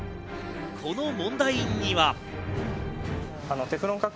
この問題には。